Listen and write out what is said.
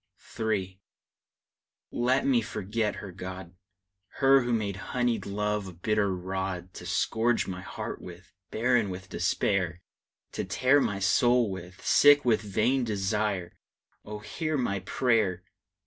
III. Let me forget her, God! Her who made honeyed love a bitter rod To scourge my heart with, barren with despair; To tear my soul with, sick with vain desire! Oh, hear my prayer!